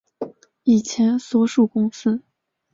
以前所属公司